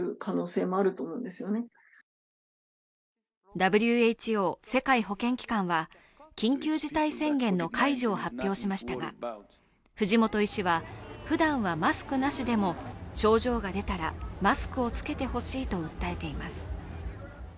ＷＨＯ＝世界保健機関は緊急事態宣言の解除を発表しましたが藤本医師は、ふだんはマスクなしでも症状が出たらマスクを着けてほしいと訴えています。